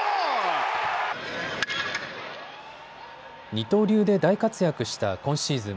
二刀流で大活躍した今シーズン。